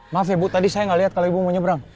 maaf ibu tadi saya nggak lihat kalau ibu mau nyebrang